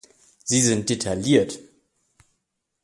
Sie sind detailliert!